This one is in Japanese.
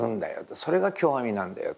それが狂阿弥なんだよ。